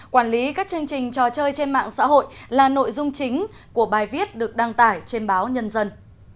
quản lý các chương trình trò chơi trên mạng xã hội là nội dung chính của bài viết được đăng tải trên báo nhân dân